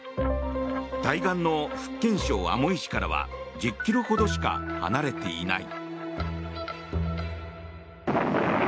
対岸の福建省アモイ市からは１０ｋｍほどしか離れていない。